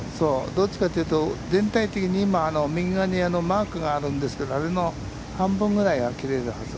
どっちかというと全体的に右側にマークがあるんですけど、あれの半分ぐらいは切れるはず。